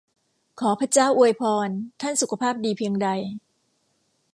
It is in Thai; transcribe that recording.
ขอพระเจ้าอวยพรท่านสุขภาพดีเพียงใด !